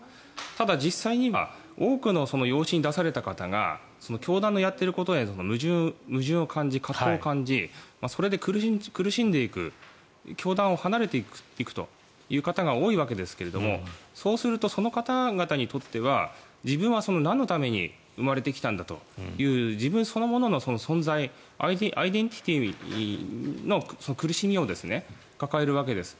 ただ、実際には多くの養子に出された方が教団のやっていることへの矛盾、葛藤を感じそれで苦しんでいく教団を離れていくという方が多いわけですがそうするとその方々にとっては自分はなんのために生まれてきたんだという自分そのものの存在アイデンティティーの苦しみを抱えるわけです。